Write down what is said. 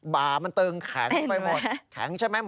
บ่ามันตึงแข็งไปหมดแข็งใช่ไหม